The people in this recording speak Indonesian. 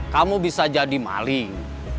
kamu bisa jadi maling